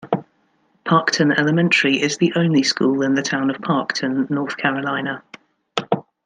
Parkton Elementary is the only school in the town of Parkton, North Carolina.